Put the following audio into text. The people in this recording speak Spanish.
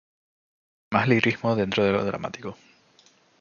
Más lirismo dentro de lo dramático.